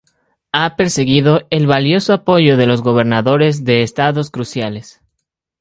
Ha perseguido el valioso apoyo de los gobernadores de estados cruciales.